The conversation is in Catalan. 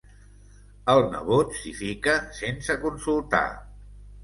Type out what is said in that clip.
El nebot s'hi fica sense consultar.